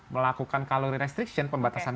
melakukan calorie restriction pembatasan